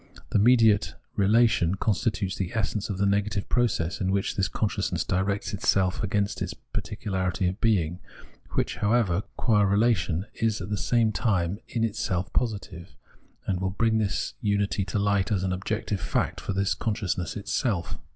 The mediate relation constitutes the essence of the negative process, in which this consciousness directs itself against its particularity of being, which, however, qyui relation, is at the same time in itself positive, and wiU bring this its unity to hght as an objective fact for this conscious ness itself.